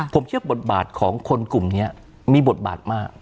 ผมเชื่อบทบาทของคนกลุ่มนี้มีบทบาทมาก